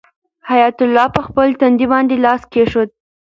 حیات الله په خپل تندي باندې لاس کېښود.